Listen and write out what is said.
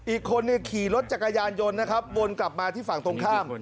อีกคนขี่รถจักรยานยนต์นะครับวนกลับมาที่ฝั่งตรงข้าม